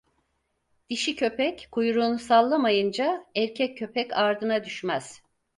Dişi köpek kuyruğunu sallamayınca, erkek köpek ardına düşmez.